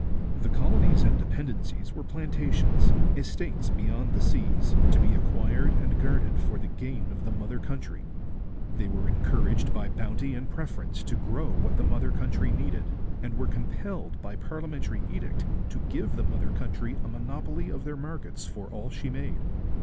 The colonies and dependencies were plantations, estates beyond the seas, to be acquired and guarded for the gain of the mother country. They were encouraged by bounty and preference to grow what the mother country needed, and were compelled by parliamentary edict to give the mother country a monopoly of their markets for all she made.